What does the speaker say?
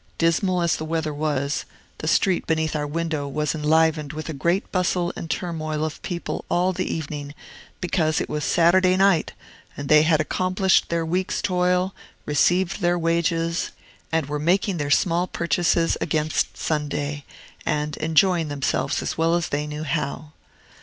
Dismal as the weather was, the street beneath our window was enlivened with a great bustle and turmoil of people all the evening, because it was Saturday night, and they had accomplished their week's toil, received their wages, and were making their small purchases against Sunday, and enjoying themselves as well as they knew how.